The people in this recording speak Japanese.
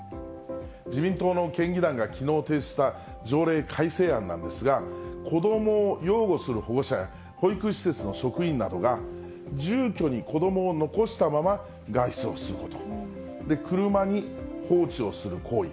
自民党の県議団がきのう提出した条例改正案なんですが、子どもを養護する保護者や保育施設の職員などが、住居に子どもを残したまま外出をすること、車に放置をする行為。